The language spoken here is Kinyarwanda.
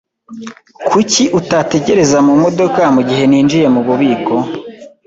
Kuki utategereza mumodoka mugihe ninjiye mububiko?